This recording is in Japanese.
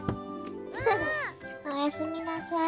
おやすみなさい。